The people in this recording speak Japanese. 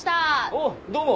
おっどうも。